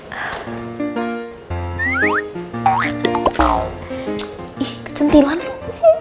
ih kecentilan lo